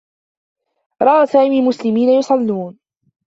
رأى سامي مسلمين يصلّون.